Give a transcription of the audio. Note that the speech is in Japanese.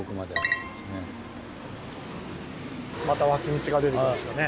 また脇道が出てきましたね。